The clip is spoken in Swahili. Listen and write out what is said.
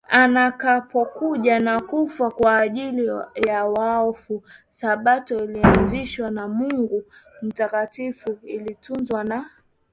anakapokuja na kufa kwa ajili ya waovu Sabato ilianzishwa na Mungu Mtakatifu ilitunzwa na